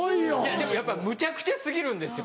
でもむちゃくちゃ過ぎるんですよ